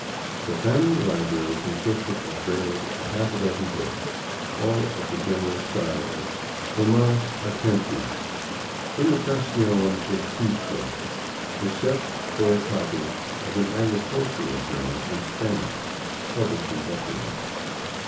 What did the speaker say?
The family library consisted of barely a half dozen books, all of the general style of Tomas a Kempis' " Imitacion de Cristo," except for a copy of an agricultural journal in Spanish, published in Buffalo.